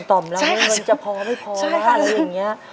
เงินจะพอไม่พอแล้วอย่างนี้